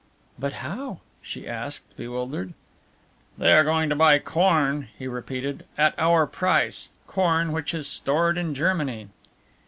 "But how?" she asked, bewildered. "They are going to buy corn," he repeated, "at our price, corn which is stored in Germany."